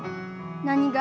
何が？